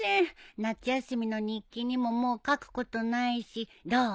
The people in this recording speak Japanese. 夏休みの日記にももう書くことないしどう？